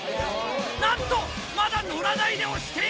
なんとまだ乗らないで押している！